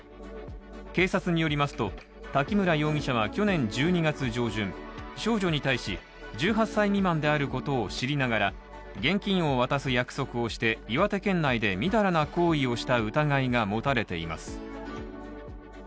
警察によりますと滝村容疑者は去年１２月上旬、少女に対し、１８歳未満であることを知りながら現金を渡す約束をして岩手県内で、みだらな行為をした疑いが持たれています。